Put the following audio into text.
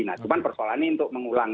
nah cuma persoalannya untuk mengulang